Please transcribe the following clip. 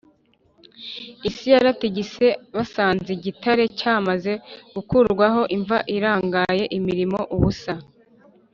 isi yaratigise basanze igitare cyamaze gukurwaho, imva irangaye irimo ubusa